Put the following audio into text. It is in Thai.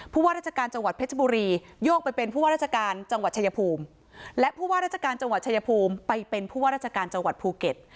ว่าราชการจังหวัดเพชรบุรีโยกไปเป็นผู้ว่าราชการจังหวัดชายภูมิและผู้ว่าราชการจังหวัดชายภูมิไปเป็นผู้ว่าราชการจังหวัดภูเก็ต